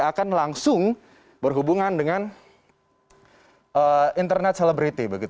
akan langsung berhubungan dengan internet celebriti